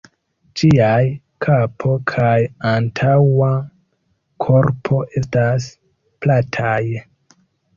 Ĝiaj kapo kaj antaŭa korpo estas plataj.